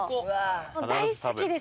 もう大好きです！